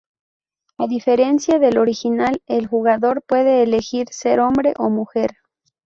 A diferencia del original, el jugador puede elegir ser hombre o mujer.